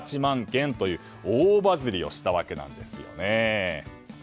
件という大バズリをしたわけなんですね。